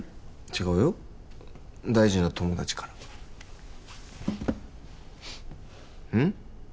違うよ大事な友達からうん？